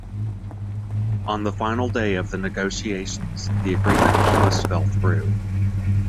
On the final day of the negotiations, the agreement almost fell through.